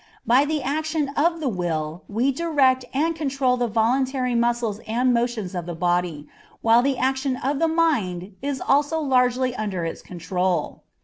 By the action of the will, we direct and control the voluntary muscles and motions of the body, while the action of the mind is also largely under its control.